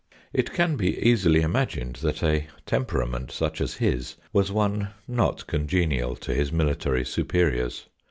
It can be easily imagined that a temperament such as his was one not congenial to his military superiors.